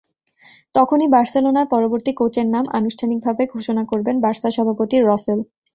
তখনই বার্সেলোনার পরবর্তী কোচের নাম আনুষ্ঠানিকভাবে ঘোষণা করবেন বার্সা সভাপতি রসেল।